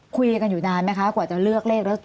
คุยกันอยู่นานไหมคะกว่าจะเลือกเลขแล้ว